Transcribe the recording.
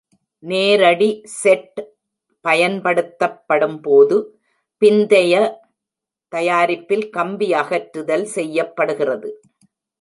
நேரடி செட் பயன்படுத்தப்படும்போது, பிந்தைய தயாரிப்பில் கம்பி அகற்றுதல் செய்யப்படுகிறது.